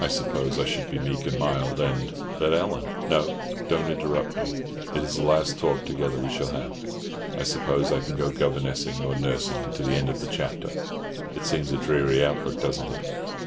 I suppose I should be meek and mild, and—" "But, Ellen—" "No, don't interrupt me. It is the last talk together we shall have. I suppose I can go governessing, or nursing, to the end of the chapter. It seems a dreary outlook, doesn't it?